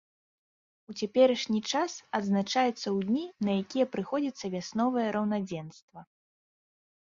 У цяперашні час адзначаецца ў дні, на якія прыходзіцца вясновае раўнадзенства.